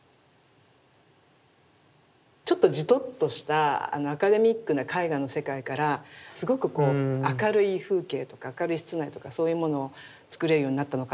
ちょっとジトッとしたアカデミックな絵画の世界からすごく明るい風景とか明るい室内とかそういうものをつくれるようになったのかな。